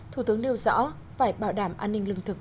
thủ tướng nêu rõ phải bảo đảm an ninh lương thực